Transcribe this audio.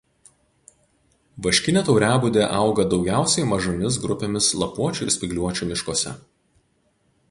Vaškinė tauriabudė auga daugiausiai mažomis grupėmis lapuočių ir spygliuočių miškuose.